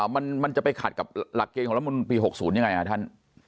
มันจะไปขัดกับหลักเกณฑ์ของรัฐมนต์ปี๖๐ยังไงท่าน